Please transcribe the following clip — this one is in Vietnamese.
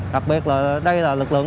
đặc biệt là đây là lực lượng